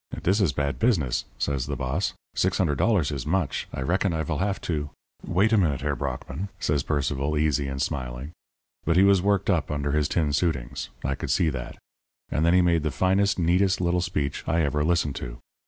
"'Dis is bad pizness,' says the boss. 'Six hundred dollars is much. I reckon I vill haf to ' "'Wait a minute, Herr Brockmann,' says Sir Percival, easy and smiling. But he was worked up under his tin suitings; I could see that. And then he made the finest, neatest little speech I ever listened to.